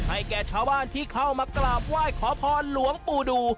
แก่ชาวบ้านที่เข้ามากราบไหว้ขอพรหลวงปู่ดู